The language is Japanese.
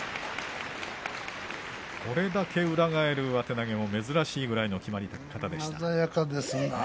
これだけ裏返る上手投げも珍しいぐらいの決まり手ですね。